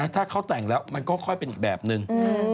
ถ้าเขาแต่งแล้วมันก็ค่อยเป็นอีกแบบนึง